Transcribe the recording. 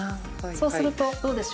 そうするとどうでしょう？